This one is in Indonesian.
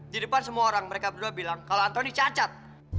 di depan semua orang mereka berdua bilang kalau antoni cacat